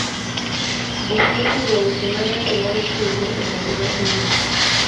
buk moting'o weche ma ng'ato nyalo tiyogo e ndalo mabiro.